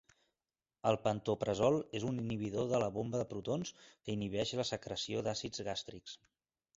El pantoprazol és un inhibidor de la bomba de protons que inhibeix la secreció d'àcids gàstrics.